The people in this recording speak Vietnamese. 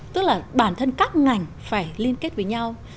tức là bản thân các ngành phải liên kết với nhau